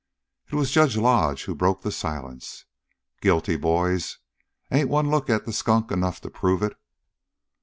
It was Judge Lodge who broke the silence. "Guilty, boys. Ain't one look at the skunk enough to prove it?"